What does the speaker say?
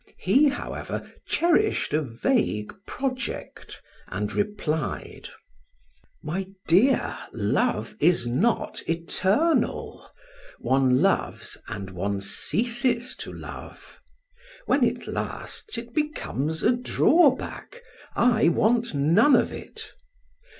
He, however, cherished a vague project and replied: "My dear, love is not eternal. One loves and one ceases to love. When it lasts it becomes a drawback. I want none of it!